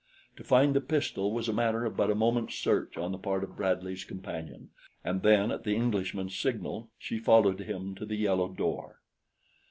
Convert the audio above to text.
To find the pistol was a matter of but a moment's search on the part of Bradley's companion; and then, at the Englishman's signal, she followed him to the yellow door.